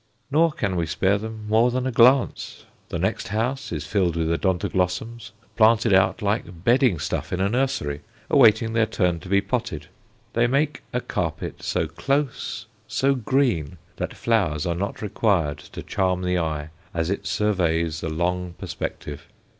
Nor can we spare them more than a glance. The next house is filled with Odontoglossums, planted out like "bedding stuff" in a nursery, awaiting their turn to be potted. They make a carpet so close, so green, that flowers are not required to charm the eye as it surveys the long perspective.